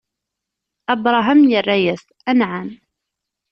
Abṛaham irra-yas: Anɛam!